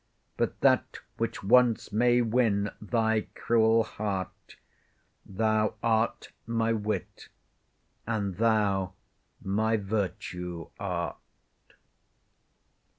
But that which once may win thy cruel heart: Thou art my wit, and thou my virtue art.